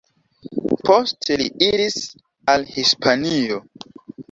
Poste li iris al Hispanio.